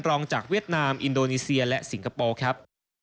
รองจากเวียดนามอินโดนีเซียและสิงคโปร์ครับ